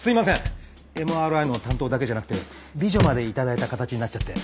ＭＲＩの担当だけじゃなくて美女まで頂いた形になっちゃって。